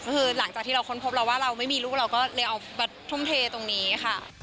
ก็คือหลังจากที่เราค้นพบเราว่าเราไม่มีลูกเราก็เลยเอามาทุ่มเทตรงนี้ค่ะ